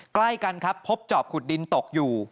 ใกล้กันครับพบจอบขุดดินตกอยู่